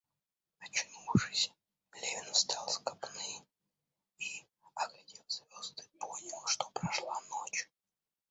Очнувшись, Левин встал с копны и, оглядев звезды, понял, что прошла ночь.